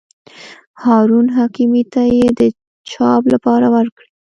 هارون حکیمي ته یې د چاپ لپاره ورکړي.